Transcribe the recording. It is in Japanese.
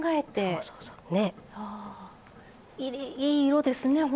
いい色ですね